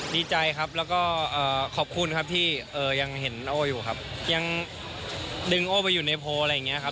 ดีใจครับแล้วก็ขอบคุณครับที่ยังเห็นโอ้อยู่ครับยังดึงโอ้ไปอยู่ในโพลอะไรอย่างนี้ครับ